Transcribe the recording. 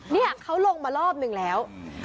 นี่เขาลงมารอบนึงแล้ว